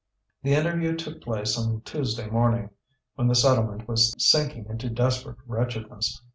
The interview took place on Tuesday morning, when the settlement was sinking into desperate wretchedness.